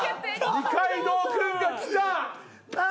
二階堂君がきた！